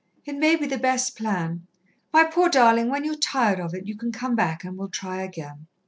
It may be the best plan. My poor darling, when you're tired of it, you can come back, and we'll try again."